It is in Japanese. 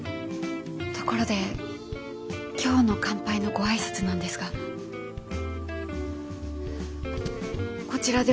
ところで今日の乾杯のご挨拶なんですがこちらでお願いしたいのですが。